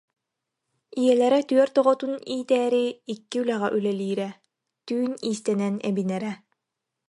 Ийэлэрэ түөрт оҕотүн иитээри икки үлэҕэ үлэлиирэ, түүн иистэнэн эбинэрэ